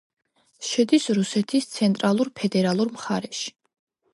შედის რუსეთის ცენტრალურ ფედერალურ მხარეში.